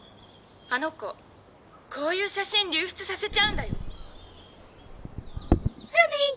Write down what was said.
あの子こういう写真流出させちゃうんだよ」。